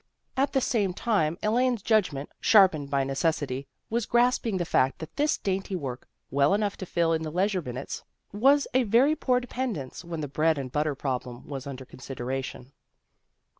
At the same time, Elaine's judgment, sharpened by neces sity, was grasping the fact that this dainty work, well enough to fill in the leisure minutes, was a very poor dependence when the bread and butter problem was under consideration.